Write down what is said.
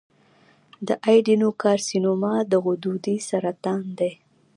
د ایڈینوکارسینوما د غدودي سرطان دی.